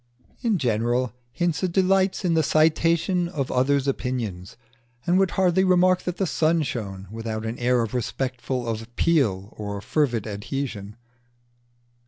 In general, Hinze delights in the citation of opinions, and would hardly remark that the sun shone without an air of respectful appeal or fervid adhesion.